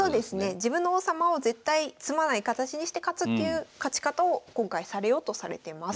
自分の王様を絶対詰まない形にして勝つっていう勝ち方を今回されようとされてます。